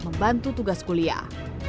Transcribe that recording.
membantu tugas kuliah